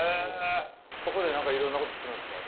そこで何かいろんなことするんですか？